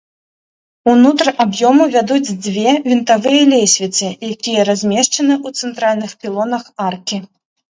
Унутр аб'ёму вядуць дзве вінтавыя лесвіцы, якія размешчаны ў цэнтральных пілонах аркі.